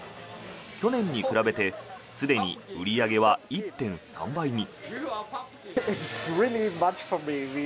去年に比べてすでに売り上げは１．３倍に。